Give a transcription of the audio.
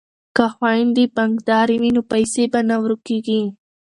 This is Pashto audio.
که خویندې بانکدارې وي نو پیسې به نه ورکیږي.